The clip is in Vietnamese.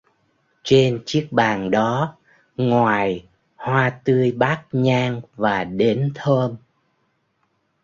Trên chiếc bàn đó ngoài hoa tươi bát nhang và đến thơm